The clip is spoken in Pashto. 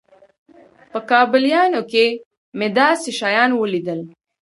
په کابليانو کښې مې داسې شيان وليدل.